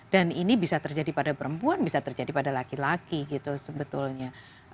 dan ini bisa terjadi pada perempuan bisa terjadi pada laki laki gitu sebetulnya